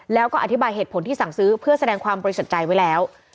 แล้วก็อธิบายเหตุผลที่สั่งซื้อเพื่อแสดงความบริสุทธิ์ใจไว้แล้ว